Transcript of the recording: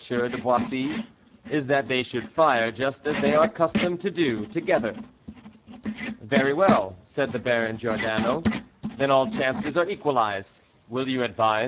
de Boissy, "is that they should fire just as they are accustomed to do, together." "Very well," said the Baron Giordano, "then all chances are equalized." "Will you advise M.